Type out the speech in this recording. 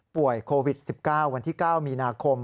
โควิด๑๙วันที่๙มีนาคม